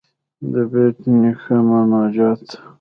ددبېټ نيکه مناجات.